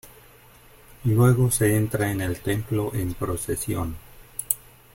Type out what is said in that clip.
Luego se entra en el templo en procesión.